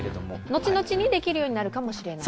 後々にできるようになるかもしれない？